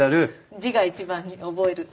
字が一番に覚えるって。